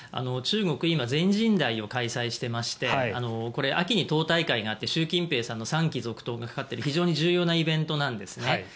中国は今、全人代を開催してまして秋に党大会があって習近平さんの３期続投がかかっている非常に重要なイベントなんですね。